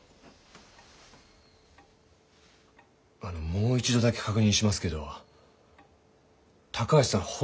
あのもう一度だけ確認しますけど高橋さん